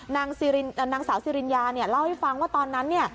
นางสาวซีลินยาเล่าให้ฟังว่าตอนนั้น